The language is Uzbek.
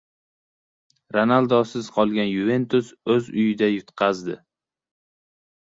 Ronaldusiz qolgan "Yuventus" o‘z uyida yutqazdi